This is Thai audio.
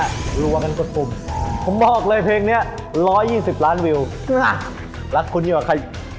ที่ทำให้คุณผ่านรอบตกรอบหรือว่าตกรอบนะ